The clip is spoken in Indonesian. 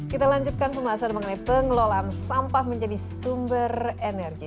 kita lanjutkan pembahasan mengenai pengelolaan sampah menjadi sumber energi